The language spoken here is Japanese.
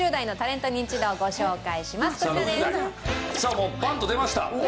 もうバンと出ました。